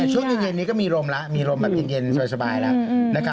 ช่วงเย็นนี้ก็มีลมแล้วมีลมแบบเย็นสบายแล้ว